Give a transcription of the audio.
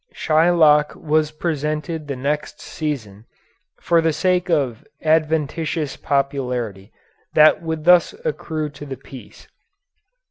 Shylock was presented the next season for the sake of adventitious popularity that would thus accrue to the piece.